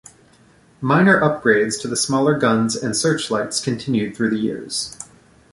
Minor upgrades to the smaller guns and searchlights continued through the years.